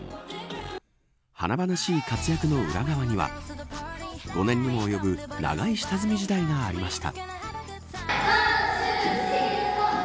華々しい活躍の裏側には５年にも及ぶ長い下積み時代がありました。